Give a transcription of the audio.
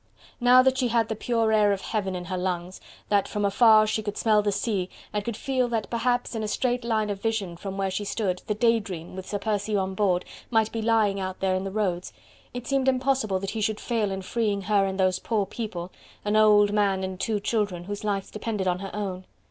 Now that she had the pure air of heaven in her lungs, that from afar she could smell the sea, and could feel that perhaps in a straight line of vision from where she stood, the "Day Dream" with Sir Percy on board, might be lying out there in the roads, it seemed impossible that he should fail in freeing her and those poor people an old man and two children whose lives depended on her own.